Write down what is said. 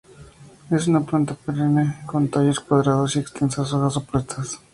Es una planta perenne con tallos cuadrados y extensas hojas opuestas.